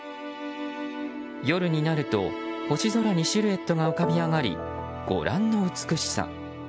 夜になると星空にシルエットが浮かび上がりご覧の美しさ。